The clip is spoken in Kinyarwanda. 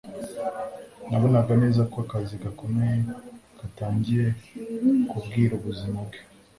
nabonaga neza ko akazi gakomeye katangiye kubwira ubuzima bwe